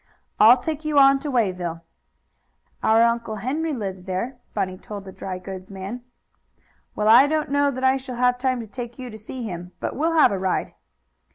"I'll take you on to Wayville." "Our Uncle Henry lives there," Bunny told the dry goods man. "Well, I don't know that I shall have time to take you to see him, but we'll have a ride."